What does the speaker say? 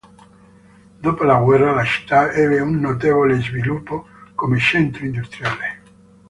Dopo la guerra la città ebbe un notevole sviluppo come centro industriale.